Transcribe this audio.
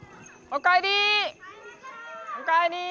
おかえり！